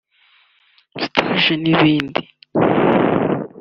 stage n’ibindi